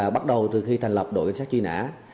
bắt đầu từ khi thành lập đội cảnh sát truy nã